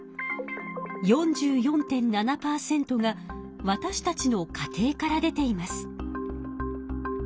４４．７％がわたしたちの家庭から出ています。